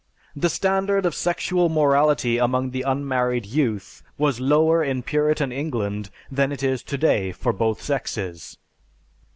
The standard of sexual morality among the unmarried youth was lower in Puritan England than it is today for both sexes.